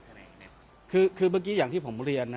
เพราะว่าตอนนี้เหมือนของภักดิ์๒มันก็อยู่แค่ไหน